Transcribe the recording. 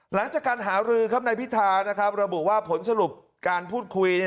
หลังจากการหารือครับนายพิธาระบุว่าผลสรุปการพูดคุย